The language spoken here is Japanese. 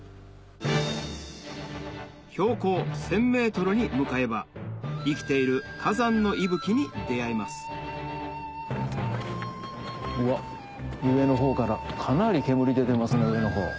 標高１０００ｍに向かえば生きている火山の息吹に出合えますうわ上のほうからかなり煙出てますね上のほう。